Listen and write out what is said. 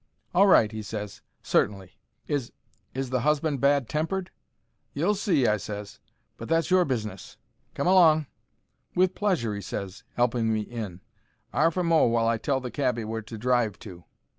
"All right," he ses; "certainly. Is—is the husband bad tempered?" "You'll see," I ses; "but that's your business. Come along." "With pleasure," he ses, 'elping me in. "'Arf a mo' while I tell the cabby where to drive to."